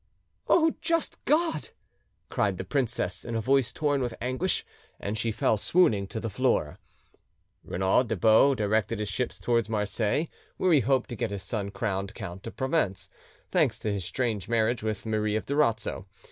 "O just God!" cried the princess, in a voice torn with anguish, and she fell swooning to the floor. Renaud des Baux directed his ships towards Marseilles, where he hoped to get his son crowned Count of Provence, thanks to his strange marriage with Marie of Durazzo.